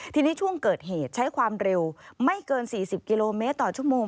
ทีนี้ช่วงเกิดเหตุใช้ความเร็วไม่เกิน๔๐กิโลเมตรต่อชั่วโมง